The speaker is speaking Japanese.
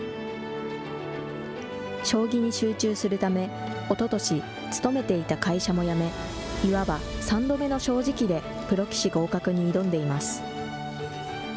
将棋に集中するため、おととし、勤めていた会社も辞め、いわば３度目の正直でプロ棋士合格に挑んでいます。